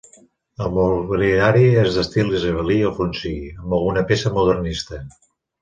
El mobiliari és d'estil isabelí i alfonsí, amb alguna peça modernista.